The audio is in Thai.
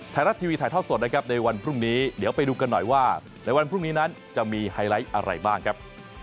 ไทยรัฐทีวีถ่ายทอดสดนะครับในวันพรุ่งนี้เดี๋ยวไปดูกันหน่อยว่าในวันพรุ่งนี้นั้นจะมีไฮไลท์อะไรบ้างครับ